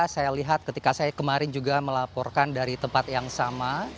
saya lihat ketika saya kemarin juga melaporkan dari tempat yang sama